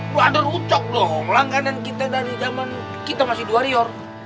lu ada rucok dong langganan kita dari jaman kita masih dua ryor